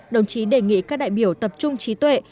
đồng chí đề nghị các đại biểu tập trung trí tuệ